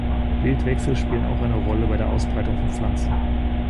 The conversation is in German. Wildwechsel spielen auch eine Rolle bei der Ausbreitung von Pflanzen.